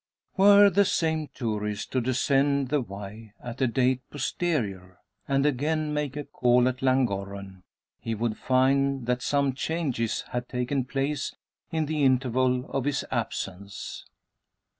Were the same tourist to descend the Wye at a date posterior, and again make a call at Llangorren, he would find that some changes had taken place in the interval of his absence.